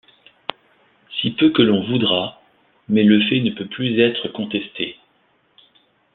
Si peu que l’on voudra, mais le fait ne peut plus être contesté!